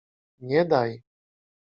Nie daj.